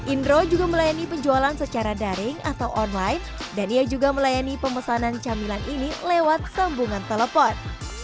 indro juga melayani penjualan secara daring atau online dan ia juga melayani pemesanan camilan ini lewat sambungan telepon